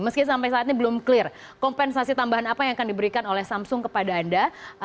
meski sampai saat ini belum clear kompensasi tambahan apa yang akan diberikan oleh samsung kepada anda